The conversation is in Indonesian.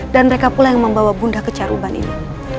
dan mereka pula yang membawa bunda ke caruban ini